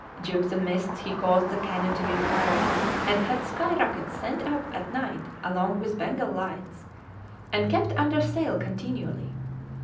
During the mists he caused the cannon to be fired, and had sky rockets sent up at night along with Bengal lights, and kept under sail continually.